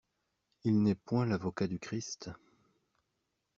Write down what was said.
Il n'est point l'avocat du Christ.